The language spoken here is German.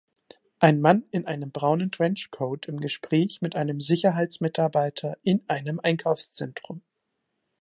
Ein Mann in einem braunen Trenchcoat im Gespräch mit einem Sicherheitsmitarbeiter in einem Einkaufszentrum.